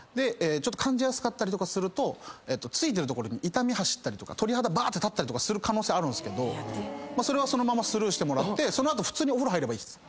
感じやすかったりすると憑いてる所に痛み走ったりとか鳥肌ばーって立ったりする可能性あるけどそれはそのままスルーしてその後普通にお風呂入ればいいです。